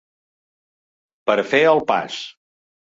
Per fer el pas.